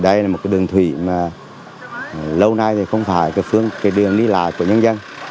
đây là một đường thủy mà lâu nay không phải đường đi lại của nhân dân